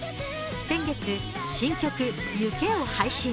先月、新曲「往け」を配信。